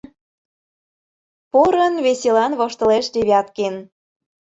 — порын веселан воштылеш Девяткин.